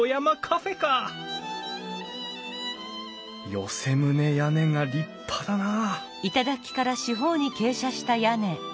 寄棟屋根が立派だなあ